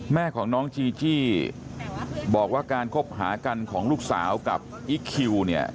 แม่ของน้องจีจี้บอกว่าการคบหากันของลูกสาวกับอีคคิวเนี่ย